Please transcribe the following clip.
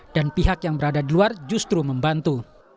pihak yang berada di luar justru membantu